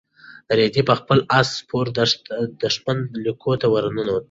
رېدي په خپل اس سپور د دښمن لیکو ته ورننوت.